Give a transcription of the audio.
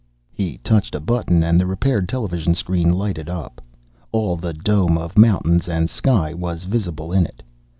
He touched a button and the repaired television screen lighted up. All the dome of mountains and sky was visible in it.